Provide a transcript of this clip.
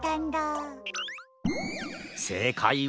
せいかいは？